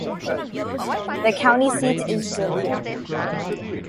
The county seat is Dillon.